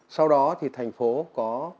sau đó thì thành phố có